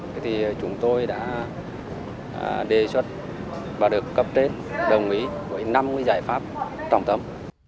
thế thì chúng tôi đã đề xuất và được cấp trên đồng ý với năm giải pháp trọng tâm